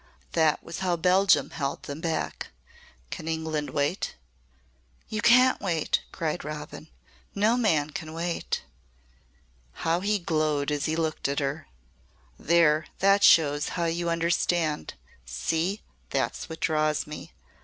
That was how Belgium held them back. Can England wait?" "You can't wait!" cried Robin. "No man can wait." How he glowed as he looked at her! "There. That shows how you understand. See! That's what draws me.